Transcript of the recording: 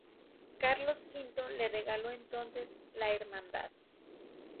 Carlos V lo regaló entonces a la Hermandad.